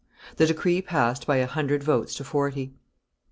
The decree passed by a hundred votes to forty.